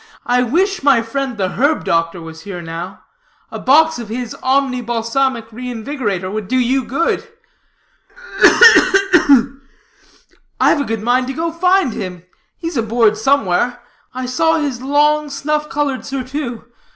I wish, my friend, the herb doctor was here now; a box of his Omni Balsamic Reinvigorator would do you good." "Ugh, ugh, ugh!" "I've a good mind to go find him. He's aboard somewhere. I saw his long, snuff colored surtout.